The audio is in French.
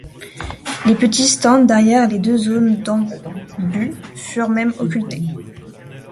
Les petits stands derrière les deux zones d'en-but furent même occultées.